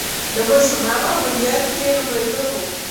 د ماشومانو امنيت يې لومړيتوب و.